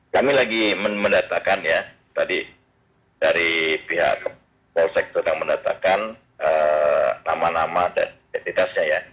kami lagi mendatakan ya tadi dari pihak polsek sedang mendatakan nama nama dan identitasnya ya